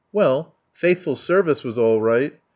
Well, faithful service was all right.